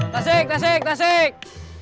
tasik tasik tasik